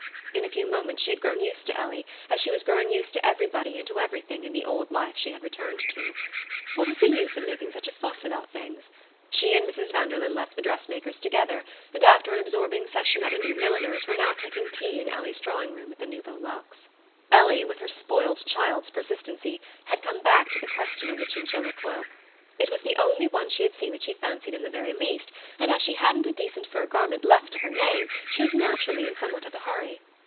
In a few moments she had grown used to Ellie, as she was growing used to everybody and to everything in the old life she had returned to. What was the use of making such a fuss about things? She and Mrs. Vanderlyn left the dress maker's together, and after an absorbing session at a new milliner's were now taking tea in Ellie's drawing room at the Nouveau Luxe. Ellie, with her spoiled child's persistency, had come back to the question of the chinchilla cloak. It was the only one she had seen that she fancied in the very least, and as she hadn't a decent fur garment left to her name she was naturally in somewhat of a hurry...